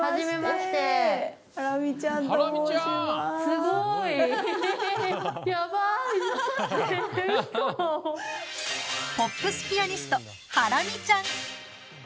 すごい！ポップスピアニストハラミちゃん。